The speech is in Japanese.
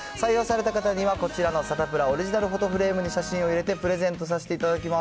採用された方にはこちらのサタプラオリジナルのフォトフレームに写真を入れて、プレゼントさせていただきます。